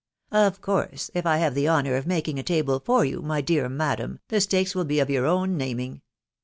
•" Of course, if I have the honour of making a table for you, my dear madam, the stakes will be of your own naming.